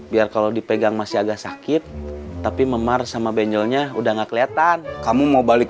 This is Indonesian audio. biar kalau dipegang masih agak sakit tapi memar sama bengelnya udah gak kelihatan kamu mau balik